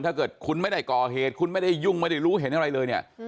ถ้าเกิดคุณไม่ได้ก่อเหตุคุณไม่ได้ยุ่งไม่ได้รู้เห็นอะไรเลยเนี่ย